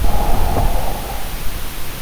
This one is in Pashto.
هیوادونه څنګه د روغتیا حق باوري کوي؟